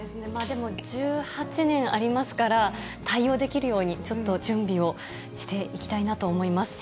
でも１８年ありますから、対応できるように、ちょっと準備をしていきたいなと思います。